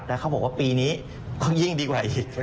แต่เขาบอกว่าปีนี้ก็ยิ่งดีกว่าอีก